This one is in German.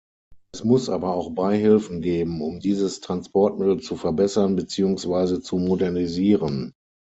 Es muss aber auch Beihilfen geben, um dieses Transportmittel zu verbessern beziehungsweise zu modernisieren.